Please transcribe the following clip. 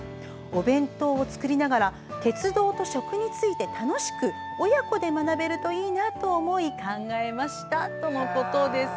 お弁当を作りながら鉄道と食について楽しく親子で学べるといいなと思い考えましたとのことです。